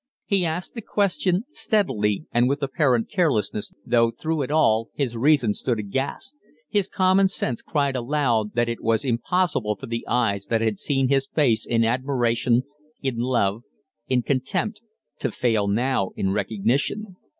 He asked the question steadily and with apparent carelessness, though, through it all, his reason stood aghast his common sense cried aloud that it was impossible for the eyes that had seen his face in admiration, in love, in contempt, to fail now in recognition.